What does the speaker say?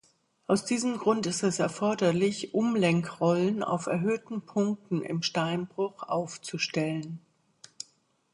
Aus diesem Grund ist es erforderlich, Umlenkrollen auf erhöhten Punkten im Steinbruch aufzustellen.